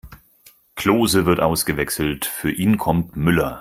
Klose wird ausgewechselt, für ihn kommt Müller.